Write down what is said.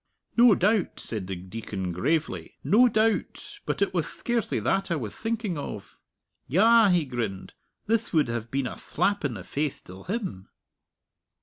"No doubt," said the Deacon gravely "no doubt. But it wath scarcely that I wath thinking of. Yah!" he grinned, "thith would have been a thlap in the face till him!"